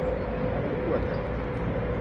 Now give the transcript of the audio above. Par ko tad?